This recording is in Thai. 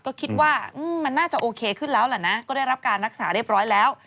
ก็คิดว่ามันน่าจะโอเคขึ้นแล้วแหละนะก็ได้รับการรักษาเรียบร้อยแล้ว